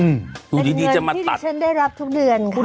มันเป็นเงินที่ดิฉันได้รับทุกเดือน